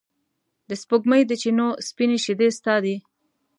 د سپوږمۍ د چېنو سپینې شیدې ستا دي